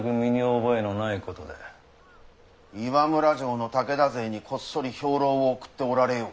岩村城の武田勢にこっそり兵糧を送っておられよう。